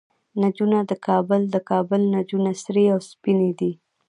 نجونه د کابل، د کابل نجونه سرې او سپينې دي